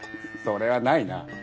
それはないな。